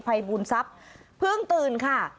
ภัยบูลทรัพย์เพิ่งตื่นค่ะ